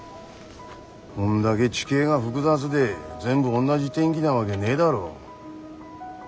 こんだげ地形が複雑で全部おんなじ天気なわげねえだろ。